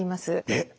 えっ！？